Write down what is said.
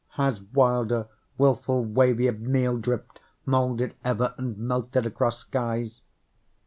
has wilder, wilful wavier Meal drift moulded ever and melted across skies?